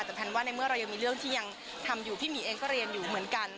แต่แพนว่าในเมื่อเรายังมีเรื่องที่ยังทำอยู่พี่หมีเองก็เรียนอยู่เหมือนกัน